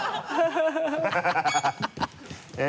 ハハハ